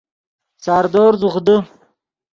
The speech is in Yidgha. ساردور زوخ دے